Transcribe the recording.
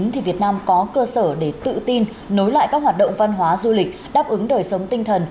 thì việt nam có cơ sở để tự tin nối lại các hoạt động văn hóa du lịch đáp ứng đời sống tinh thần